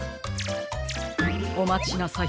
おまちなさい。